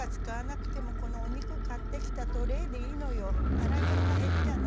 洗い物が減るじゃない？